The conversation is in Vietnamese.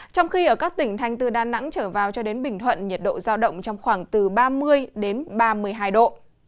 trong khi ở các tỉnh thanh từ đà nẵng trở vào cho đến bình thuận nhiệt độ giao động trong khoảng từ ba mươi ba mươi hai độ